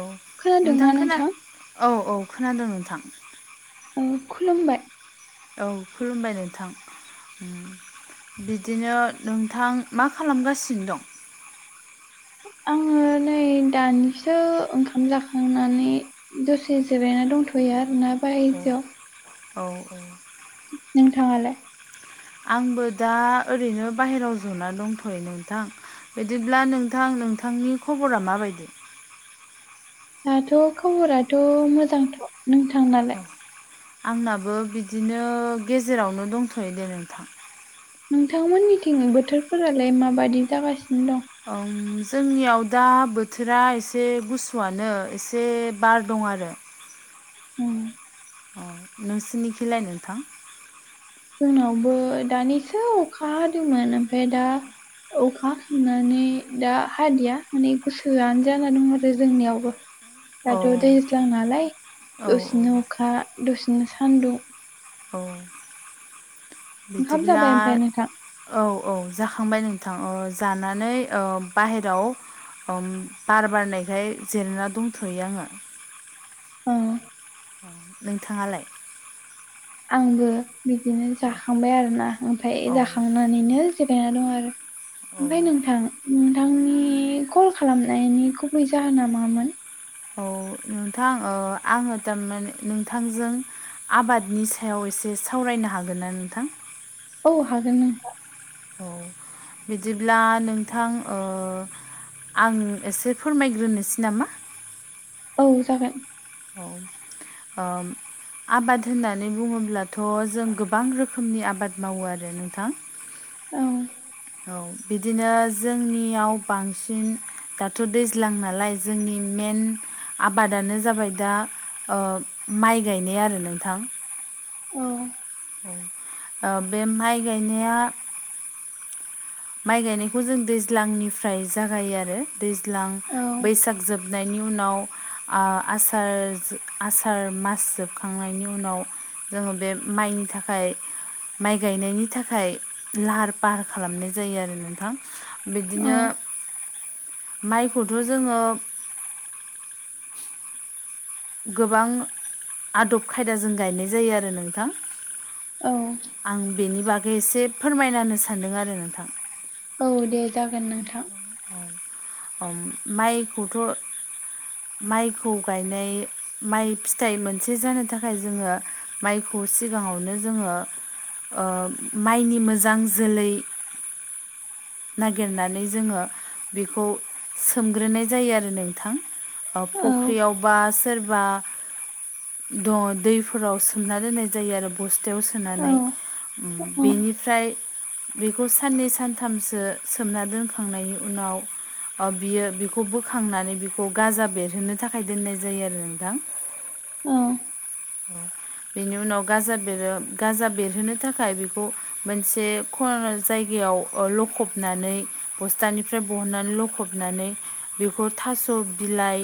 औ खोनादोंना नोंथां खोना नोंथां औ औ खोनादों नोंथां। ओ खुलुमबाय औ खुलुमबाय नोंथां उम बिदिनो नोंथां मा खालामगासिनो दं? आङो नै दानिसो ओंखाम जाखांनानै दसे जिरायना दंथ'यो आरो ना। औ औ औ नोंथाङालाय? आंबो दा ओरैनो बाहेराव जना दंथ'यो नोंथां। बिदिब्ला नोंथां नोंथांनि खबरा माबायदि? दाथ' खबराथ' मोजांथ' नोंथांनालाय? आंनाबो बिदिनो गेजेरावनो दंथ'यो दे नोंथां। नोंथांमोननिथिं बोथोरफोरालाय माबायदि जागासिनो दं? ओं जोंनियाव दा बोथोरा एसे गुसुआनो एसे बार दं आरो। उम। अ नोंसिनिखिलाय नोंथां? जोंनावबो दानिसो अखा हादोंमोन। ओमफाय दा अखा हाखांनानै दा हादिया माने गुसोआनो जाना दं आरो जोंनियावबो। [unintelligible] दाथ' दैज्लां नालाय औ दसेनो अखा दसेनो सान्दुं। औ ओंखाम बिदिब्ला जाबाय ओमफ्राय नोंथां औ औ जाखांबाय नोंथां। ओ जानानै अ बाहेराव अम बार बारनायखाय जिरायना दंथ'यो आङो। अ। औ नोंथाङालाय? आंबो बिदिनो जाखांबाय आरोना। ओमफाय औ जाखांनानैनो जिरायना दं आरो। औ ओमफाय नोंथां नोंथांनि कल खालामनायनि गुबै जाहोना मामोन? अ नोंथां ओ आङो दा माने नोंथांजों आबादनि सायाव एसे सावरायनो हागोनना नोंथां? औ हागोन नोंथां। औ बिदिब्ला नोंथां ओ आं एसे फोरमायग्रोनोसै नामा? औ जागोन। औ ओम। आबाद होननानै बुङोब्लाथ' जों गोबां रोखोमनि आबाद मावो आरो नोंथां। ओं। औ बिदिनो जोंनियाव बांसिन दाथ' दैज्लां नालाय जोंनि मेन आबादानो जाबाय दा ओ माइ गायनाय आरो नोंथां। औ। औ, ओ बे माइ गायनाया माइ गायनायखौ जों दैज्लांनिफ्राय जागायो आरो दैज्लां बैसाग जोब बनायनि उनाव आ आसार जो आसार मास जोबखांनायनि उनाव जोङो बे माइनि थाखाय माइ गायनायनि थाखाय लाहार फाहार खालामनाय जायो आरो नोंथां। औ बिदिनो माइखौथ' जोङो गोबां आदब खायदाजों गायनाय जायो आरो नोंथां। औ। आं बेनि बागै एसे फोरमायना होनो सानदों आरो नोंथां। औ दे जागोन नोंथां। औ अम माइखौथ' माइखौ गायनाय माइ फिथाइ मोनसे जानो थाखाय जोङो माइखौ सिगाङावनो जोङो ओ माइनि मोजां जोलै नागेरनानै जोङो बिखौ सोमग्रोनाय जायो आरो नोंथां। ओ औ फख्रियावबा सोर बा द दैफोराव सोमना दोननाय जायो आरो बस्थायाव औ सोनानै। उम बेनिफ्राय बेखौ साननै सानथामसो सोमना दोनखांनायनि उनाव ओ बियो बिखौ बोखांनानै बिखौ गाजा बेरहोनो थाखाय दोननाय जायो आरो नोंथां। औ। औ, बेनि उनाव गाजा बेरो गाजा बेरहोनो थाखाय बेखौ मोनसे खनाना जायगायाव लखबनानै बस्थानिफ्राय बहननानै लखबनानै बे बेखौ थास' बिलाइ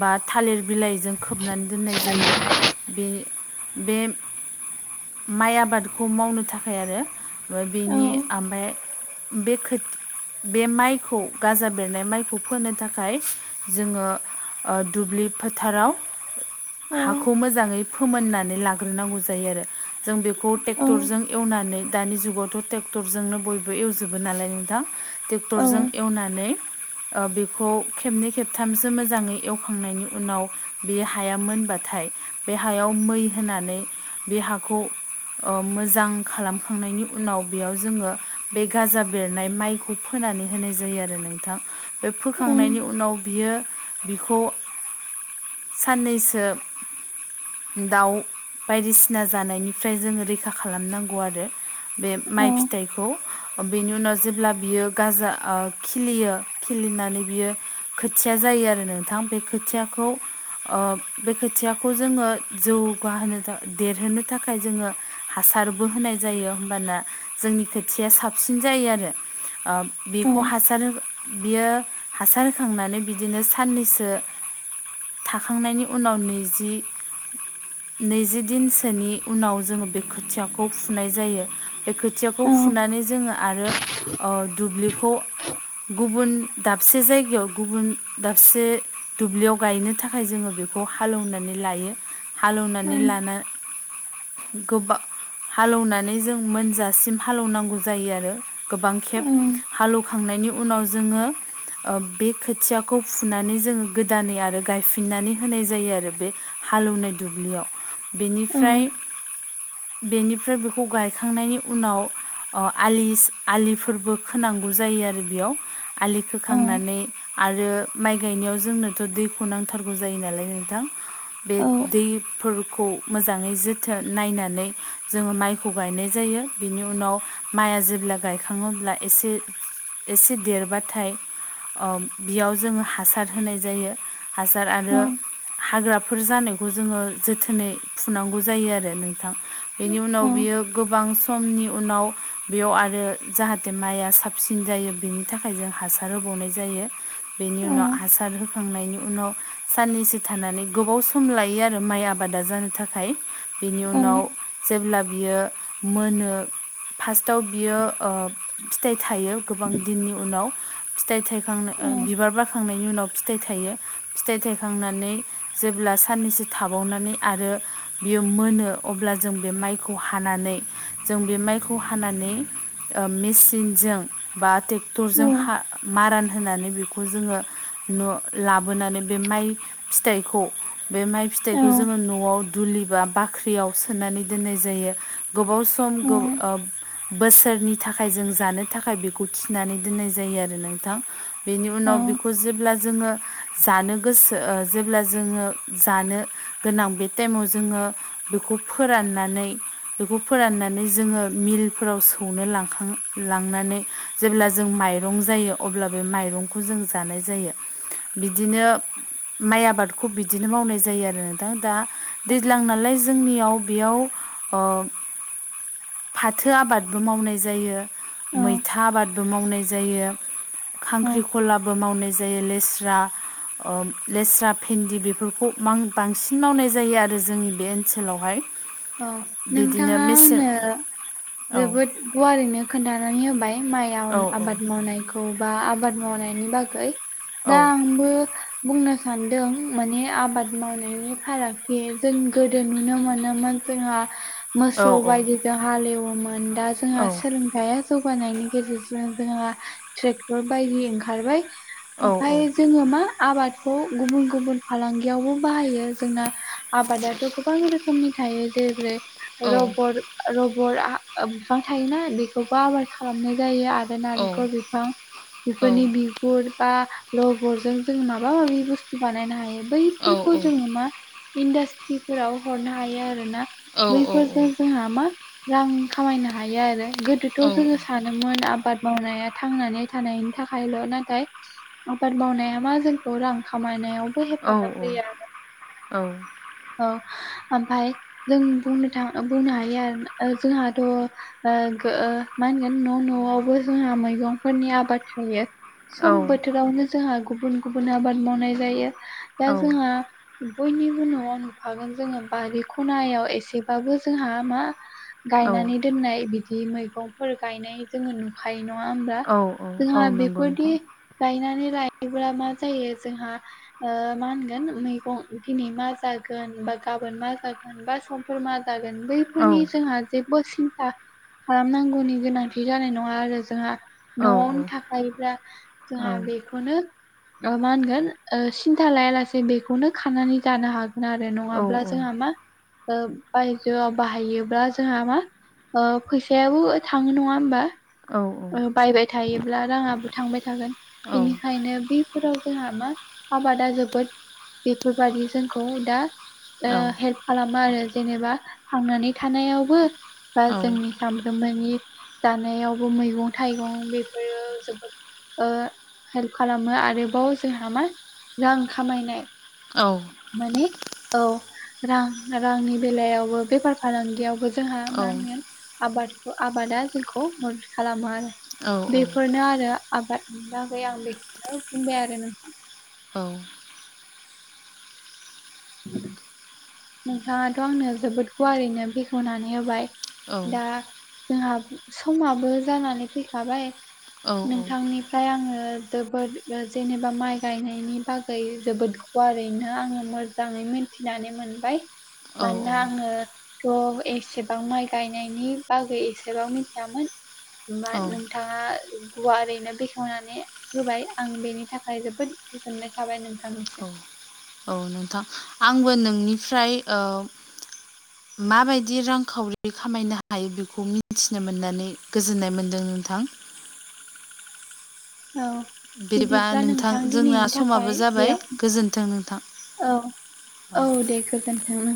बा थालिर बिलाइजों खोबनानै दोननाय जायो बे बे माइ आबादखौ मावनो थाखाय आरो औ बेनि ओमफाय बे खो - बे माइखौ गाजा बेरनाय माइखौ फोनो थाखाय जोङो दुब्लि फोथाराव औ [inaudible] हाखौ मोजाङै फोमोननानै लाग्रोनांगौ जायो आरो जों बेखौ औ टेक्टरजों एवनानै दानि जुगावथ' टेक्टरजोंनो बयबो एवजोबो नालाय नोंथां औ टेक्टरजों एवनानै बेखौ खेबनै खेबथामसो मोजाङै एवखांनायनि उनाव बे हाया मोनबाथाय बे हायाव मै होनानै बे हाखौ मोजां खालामखांनायनि उनाव बेयाव जोङो बे गाजा बेरनाय माइखौ फोनानै होनाय जायो आरो नोंथां बे औ फोखांनायनि उनाव बियो बिखौ साननैसो दाउ बायदिसिना जानायनिफ्राय जोङो रैखा खालामनांगौ आरो बे माइ फिथाइखौ बेनि उनाव जेब्ला बियो गाजा खिलियो खिलिनानै बियो खोथिया जायो आरो नोंथां बे खोथियाखौ ओ बे खोथियाखौ जोङो जौगाहोनो थाखाय देरहोनो थाखाय जोङो हासारबो होनाय जायो होमबाना जोंनि खोथिया साबसिन जायो आरो बेखौ हासार बियो हासार होखांनानै बिदिनो साननैसो थाखांनायनि उनाव नैजि नैजि दिनसोनि उनाव जोङो बे खोथियाखौ फुनाय जायो बे खोथियाखौ फुनानै जोङो आरो ओ दुब्लिखौ गुबुन दाबसे जायगायाव गुबुन दाबसे दुब्लियाव गायनो था‌ खाय जोङो बेखौ हालेौवनानै लायो हालेवनानै लाना गोबां हालेवनानै जों मोनजासिम हालेवनांगौ जायो आरो गोबां खेब हालौव खांनायनि उनाव जोङो बे खोथियाखौ फुनानै जोङो गोदानै आरो गाय फिननानै होनाय जायो आरो बे हालौनाय दुब्लियाव बेनिफ्राय बेनिफ्राय बेखौ गायखांनायनि उनाव अ आलि आलिफोरबो खोनांगौ जायो आरो बेयाव आलि खोखांनानै आरो माइ गायनायाव जोंनोथ' दैखौ नांथार जायो नालाय नोंथां बे दैफोर खौ मोजाङै जोथोन नायनानै जोङो माइखौ गायनाय जायो बेनि उनाव माइआ जेब्ला गायखाङोब्ला एसे एसे देरबाथाय ओ बेयाव जोङो हासार होनाय जायो सार आरो हाग्राफोर जानाय खौ जोङो जोथोनै फुनांगौ जायो आरो नोंथां बेनि औ उनाव औ बियो गोबां समनि उनाव बेयाव आरो जाहाथे माइआ साबसिन जायो बेनि थाखाय थाखाय जों हासार होबावनाय जायो बेनि औ उनाव हासार होखांनायनि उनाव साननैसो थानानै गोबाव सम लायो आरो माइ आबादा जानो थाखाय बेनि औ उनाव जेब्ला बियो मोनो फार्स्टआव बियो ओ फिथाइ थायो गोबां दिननि उनाव फिथाइ थायखांनो बिबार बाखांनाय नि उनाव फिथाइ थायो फिथाइ थायखांनानै जेब्ला साननैसो थाबावनानै आरो बियो मोनो अब्ला जों बे माइखौ हानानै जों बे माइखौ हानानै ओ मेसिनजों बा टे औ थरजों हा मारान होनानै बखौ जोङो ल ला लाबोनानै बे माइ फिथाइखौ बे माइ औ फिथाइखौ जोङो न'आव दुलि बा बाख्रियाव सोनानै दोननाय जायो गोबाव सम औ आ- बोसोरनि थाखाय जों जानो थाखाय बेखौ थिनानै दोननाय जायो आरो नोंथां। बेनि उनाव बेखौ औ जेब्ला जोङो। जानो गोसो जेब्ला जोङो जानो गोनां बे टाइमाव जोङो बेखौ फोराननानै बेखौ फोराननानै जोङो मिलफोराव सौनो लांखाङो। लांनानै जेब्ला जों माइरं जायो अब्ला बे माइरंखौ जों जानाय जायो। बिदिनो माइ आबादखौ बिदिनो मावनाय जायो आरो नोंथां दा दैज्लां नालाय जोंनियाव बेयाव अ फाथो आबादबो मावनाय जायो। मैथा आबादबो मावनाय जायो खांख्रिखलाबो मावनाय जायो लेस्रा स्रा ओ- लेस्रा फि भिन्दि बेफोरखौ बांसिन मावनाय जायो आरो जोंनि बे ओनसोलावहाय। औ नोंथाङा आंनो जोबोद औ गुवारैनो खोन्थानानै होबाय। माइ आबाद मावनायखौ बा आबाद मावनायनि बागै। दा आंबो बुंनो सानदों माने आबाद मावनायनि फारागथि जों गोदो नुनो मोनोमोन जोंहा मोसौ बायदिजों हालेवोमोन दा जोंहा सों फिाया जौगानायनि गेजेरजों जोंहा ट्रेक्टर बायदि ओंखारबाय। ओमफाय जोङो मा आबादखौ गुबुन गुबुन फालांगियावबो बाहायो। जोंना आबादाथ' गोबां रोखोमनि थायो जेरैै रबर रबर बिफां थायोना बेखौबो आबाद खालामनाय जायो आरो नारेंखल बिफां बेफोरनि बिगुर बा लगरजों जों माबा माबि बुस्थु बानायनो हायो। बैफोरखौ जोङो मा इन्डास्ट्रिफोराव हरनो हायो आरोना बैफोरजों जोंहा मा रां खामायनो हायो आरो गोदोथ' जोङो सानो मोन आबाद मावनाया थांनानै थानायनि थाखायल' नाथाय आबाद मावनाया मा जोंखौ रां खामायनायावबो हेफाजाब होयो आरो। औ ओमफ्राय जों बुंनो थाङो बुंनो हायो आरो जोंहाथ' ओ मा होनगोन न' न'आवबो जोंहा मैगंफोरनि आबाद थायो। सम बोथोरावनो जोंहा गुबुन गुबुन आबाद मावनाय जायो, दा जोंहा बयनिबो न'आव नुखागोन जोङो बारि खनायाव एसेबाबो जोंहा मा औ गायनानै दोननाय बिदि मैगंफोर गायनाय जोङो नुखायो नङा होमब्ला औ औ जोंहा नंगौ बेफोरदि नोंथां गायनानै लायोब्ला मा जायो? जोंहा ओ मा होनगोन मैगं दिनै मा जागोन? बा गाबोन मा जागोन? बा समफोर मा जागोन? औ बैफोरनि जोंहा जेबो सिन्था खालामनांगौनि गोनांथि जानाय नङा आरो जोंहा। औ न'आवनो थाखायोब्ला औ जोंहा बे बेखौनो मा होनगोन? ओ सिन्था लाया लासे बेखौनो खानानै जानो हागोन। आरो औ नङाब्ला जोंहा मा? ओ बायजोआव बाहायोब्ला जोंहा मा? ओ फैसायाबो थाङो नङा होमबा? औ बायबाय थायोब्ला राङाबो थांबाय थागोन। औ बिनिखायनो बे फोराव जोंहा मा आबादा जोबोद बेफोरबायदि जोंखौ दा औ ओ हेल्प खालामो आरो जेनेबा थांनानै थानायावबो बा जोंनि सानफ्रोमबोनि जानायावबो मैगं थाइगं बेफोरो जोबोद ओ हेल्प खालामो आरोबाव जोंहा मा? रां खामायनाय औ। माने औ रां रांनि बेलायावबो बेफार फालांगियावबो जोंहा मा होनगोन आबादखौ आबादा जोंखौ मदद खालामो आरो। बेफोरनो आरो आबादनि बागै आं बेखौनो बुंबाय आरो नोंथां। औ नोंथाङाथ' आंनो जोबोद गुवारैनो बेखेवनानै होबाय दा जोंहा समाबो जानानै फैखाबाय नोंथांनि फ्राय आङो जोबोद जेनेबा माइ गायनायनि बागै जोबोद गुावारैनो आङो मोजाङै मिथिनानै मोनबाय मानोना आङो थ' एसेबां माइ गायनायनि बागै एसेबां मिथियामोन औ [unintelligible] नोंथाङा गुवारैनो बेखेवनानै होबाय आं बेनि थाखाय जोबोद गोजोननाय थाबाय औ नोंथांनिसिम। औ नोंथां आंबो नोंनिफ्राय ओ माबायदि रांखावरि खामायनो हायो बेखौ मिथिनो मोननानै गोजोननाय मोनदों नोंथां औ बिदिबा बिदिब्ला नोंथां जोंना दिनैनि समाबो थाखाय जाबाय गोजोन्थों नोंथां बेयावनो औ औ दे गोजोन्थों।